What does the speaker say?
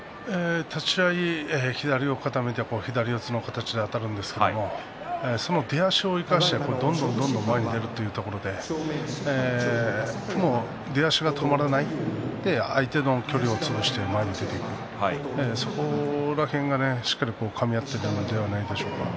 立ち合い、左を固めて左四つの形になりますがその出足を生かしてどんどん前に出るということで出足が止まらないで相手との距離を潰して前に出る、その辺がしっかりとかみ合っているのではないでしょうか。